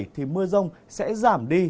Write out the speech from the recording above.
thì mưa rông sẽ giảm đi